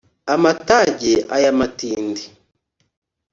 amatage aya matindi